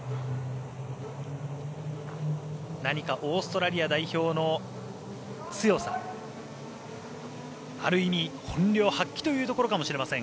何かオーストラリア代表の強さある意味、本領発揮というところかもしれません。